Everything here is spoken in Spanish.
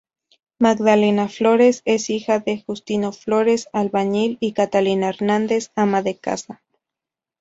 Magdalena Flores es hija de Justino Flores, albañil, y Catalina Hernández, ama de casa.